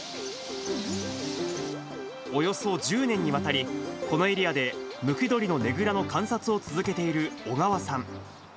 およそ１０年にわたり、このエリアでムクドリのねぐらの観察を続けている小川さん。